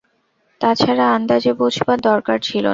তা ছাড়া আন্দাজে বোঝবার দরকার ছিল না।